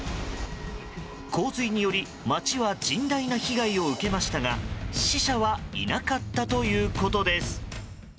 洪水により街は甚大な被害を受けましたが死者はいなかったということです。